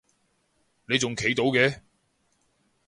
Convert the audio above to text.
你仲企到嘅？